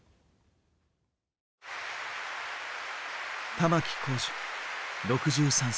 玉置浩二６３歳。